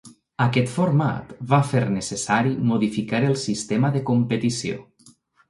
Aquest format va fer necessari modificar el sistema de competició.